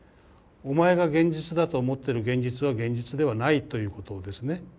お前が現実だと思っている現実は現実ではないということをですね。